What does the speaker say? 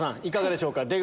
いかがでしょうか？